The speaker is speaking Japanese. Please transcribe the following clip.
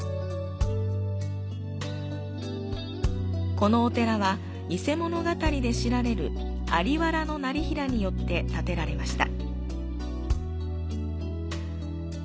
このお寺は伊勢物語で知られる在原業平によって建てられました。